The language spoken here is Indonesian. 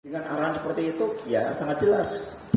dengan arahan seperti itu ya sangat jelas